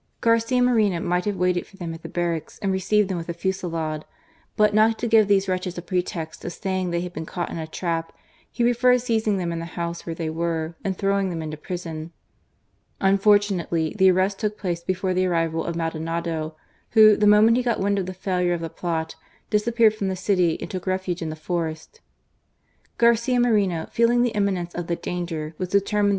Garcia Moreno might have waited for them at the barracks and received them with a fusillade ; but not to give these wretches a pretext of saying they had been caught in a trap, he preferred seizing them in the house where they were, and throwing them into prison. Unfortunately the arrest took place before the arrival of Maldonado, who, the moment he got wind of the failure of the plot, disappeared from the city and took refuge in the fotest. . Garcia Moreno, feeling the imminence of the danger, was determined ONE AGAINST ALL.